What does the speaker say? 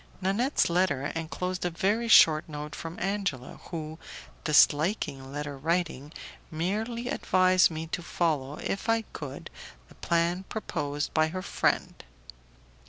Nanette's letter enclosed a very short note from Angela, who, disliking letter writing, merely advised me to follow, if I could, the plan proposed by her friend.